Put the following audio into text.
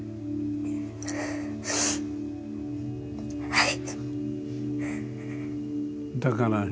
はい。